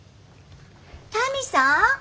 タミさん。